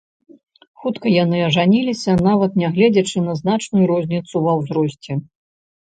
Хутка яны ажаніліся нават нягледзячы на значную розніцу ва ўзросце.